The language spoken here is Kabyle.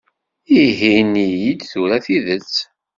Ihi ini-yi-d tura tidet!